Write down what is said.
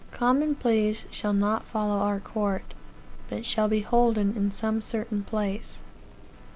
"Common Pleas shall not follow our court, but shall be holden in some certain place.